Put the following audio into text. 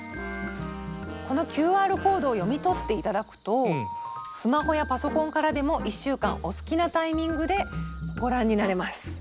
このＱＲコードを読み取って頂くとスマホやパソコンからでも１週間お好きなタイミングでご覧になれます。